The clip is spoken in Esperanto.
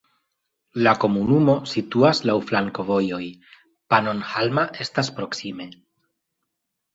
La komunumo situas laŭ flankovojoj, Pannonhalma estas proksime.